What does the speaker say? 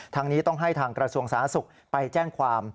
นี้ต้องให้ทางกระทรวงสาธารณสุขไปแจ้งความ